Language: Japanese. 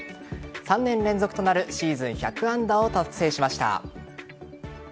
３年連続となるシーズン１００安打を達成しました。